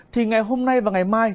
thì ngày hôm nay và ngày mai